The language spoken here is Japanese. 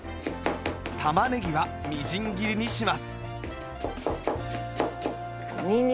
玉ねぎはみじん切りにします